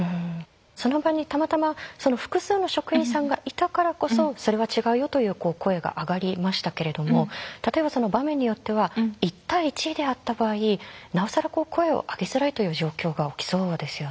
その場にたまたま複数の職員さんがいたからこそそれは違うよという声が上がりましたけれども例えばその場面によっては１対１であった場合なおさら声を上げづらいという状況が起きそうですよね。